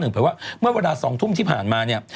เผยว่าเมื่อเวลา๒ทุ่มที่ผ่านมาเนี่ย